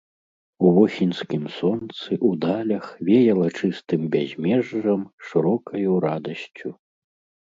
У восеньскім сонцы, у далях веяла чыстым бязмежжам, шырокаю радасцю.